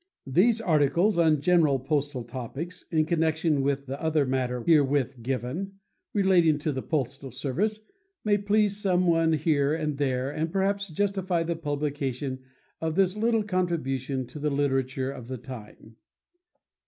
These articles on general postal topics in connection with the other matter herewith given, relating to the service, may please some one here and there and perhaps justify the publication of this little contribution to the literature of the time.